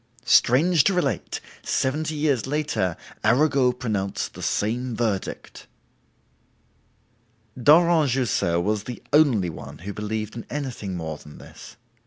Strange to relate, seventy years later, Arago pronounced the same verdict!" Daurent Jussieu was the only one who believed in anything more than this.